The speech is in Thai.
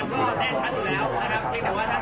โปรดล่ะครับ